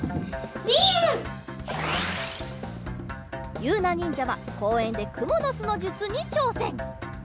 ゆうなにんじゃはこうえんでくものすのじゅつにちょうせん。